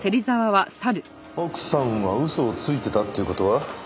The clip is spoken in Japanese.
奥さんは嘘をついてたっていう事は。